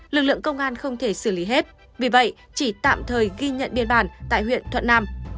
lực lượng công an không thể xử lý hết vì vậy chỉ tạm thời ghi nhận biên bản tại huyện thuận nam